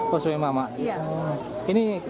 terus ke mana sini